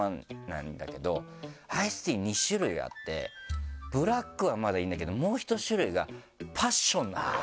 アイスティー２種類あってブラックはまだいいんだけどもう１種類がパッションなのよ。